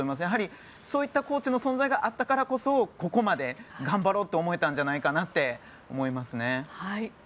やはり、そういったコーチの存在があったからこそここまで頑張ろうと思えたんじゃないかなと思いますね。